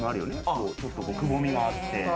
ちょっとくぼみがあって。